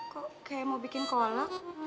kok kayak mau bikin kolom